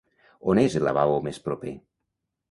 On és el lavabo més proper?